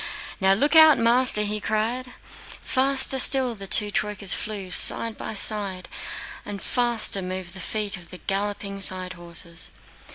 "Now, look out, master!" he cried. Faster still the two troykas flew side by side, and faster moved the feet of the galloping side horses.